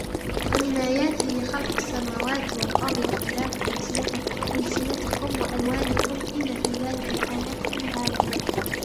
وَمِنْ آيَاتِهِ خَلْقُ السَّمَاوَاتِ وَالْأَرْضِ وَاخْتِلَافُ أَلْسِنَتِكُمْ وَأَلْوَانِكُمْ إِنَّ فِي ذَلِكَ لَآيَاتٍ لِلْعَالِمِينَ